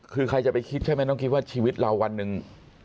คือใครจะไปคิดใช่ไหมน้องคิดว่าชีวิตเราวันหนึ่ง